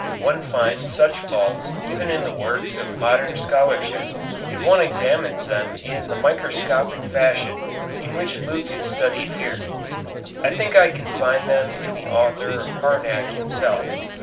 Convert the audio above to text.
One finds such faults even in the works of modern scholarship if one examines them in the microscopic fashion in which Luke is studied here. I think I can find them in the author [Harnack] himself.